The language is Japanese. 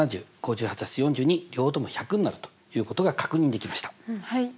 両方とも１００になるということが確認できました。